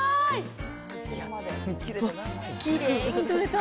きれいに取れた。